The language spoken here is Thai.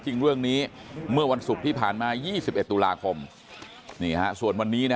จริงเรื่องนี้เมื่อวันศุกร์ที่ผ่านมา๒๑ตุลาคมส่วนวันนี้นะ